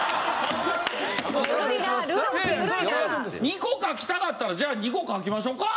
２個書きたかったらじゃあ２個書きましょか？